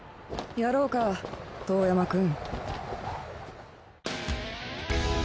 やろうか遠山くん。